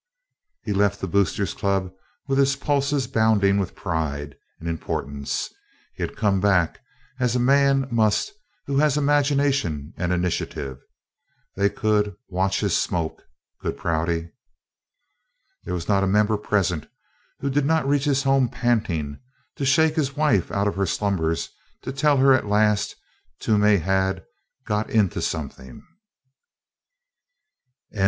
He left the Boosters Club with his pulses bounding with pride and importance. He had "come back" as a man must who has imagination and initiative. They could "watch his smoke," could Prouty. There was not a member present who did not reach his home panting, to shake his wife out of her slumbers to tell her that, at last, Toomey had "got into something."